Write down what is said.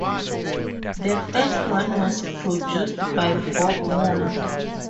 The first one was produced by Bob Mould.